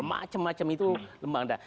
macam macam itu lembang dah